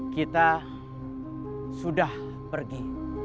kita sudah pergi